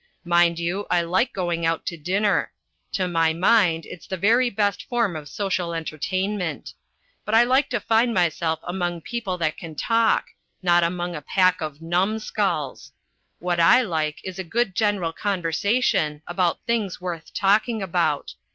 Mind you, I like going out to dinner. To my mind it's the very best form of social entertainment. But I like to find myself among people that can talk, not among a pack of numbskulls. What I like is good general conversation, about things worth talking about.